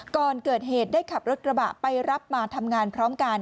ก่อนเกิดเหตุได้ขับรถกระบะไปรับมาทำงานพร้อมกัน